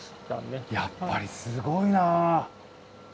やっぱりすごいな。